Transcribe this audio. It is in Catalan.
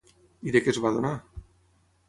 I de què es va adonar?